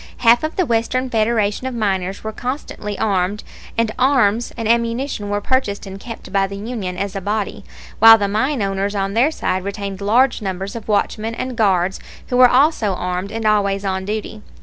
Half of the Western Federation of Miners were constantly armed, and arms and ammunition were purchased and kept by the union as a body, while the mine owners on their side retained large numbers of watchmen and guards who were also armed and always on duty.